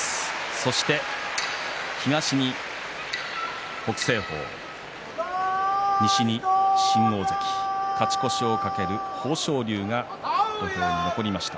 そして東に北青鵬、西に新大関勝ち越しを懸ける豊昇龍が土俵に残りました。